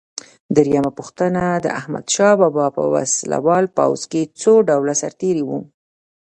درېمه پوښتنه: د احمدشاه بابا په وسله وال پوځ کې څو ډوله سرتیري وو؟